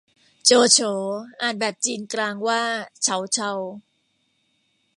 โจโฉ อ่านแบบจีนกลางว่าเฉาเชา